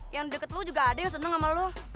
yang deket lu juga ada yang seneng sama lo